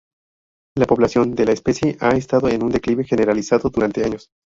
La población de la especie ha estado en un declive generalizado durante años.